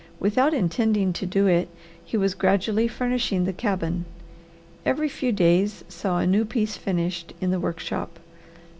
Without intending to do it he was gradually furnishing the cabin. Every few days saw a new piece finished in the workshop.